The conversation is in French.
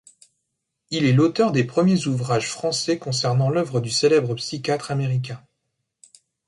Il est l'auteur des premiers ouvrages français concernant l'oeuvre du célèbre psychiatre américain.